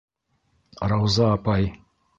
Рауза апай.